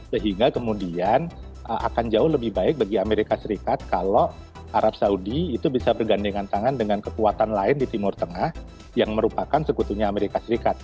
sehingga kemudian akan jauh lebih baik bagi amerika serikat kalau arab saudi itu bisa bergandengan tangan dengan kekuatan lain di timur tengah yang merupakan sekutunya amerika serikat